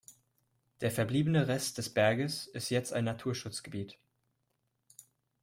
Der verbliebene Rest des Berges ist jetzt ein Naturschutzgebiet.